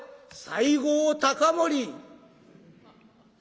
「西郷隆盛？